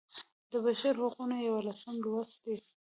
د بشر حقونه یوولسم لوست دی.